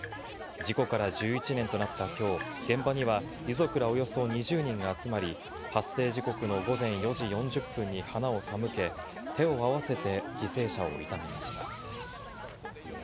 事故から１１年となったきょう、現場には遺族らおよそ２０人が集まり、発生時刻の午前４時４０分に花を手向け、手を合わせて犠牲者を悼みました。